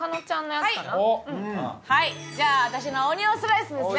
はいじゃあ私のオニオンスライスですね。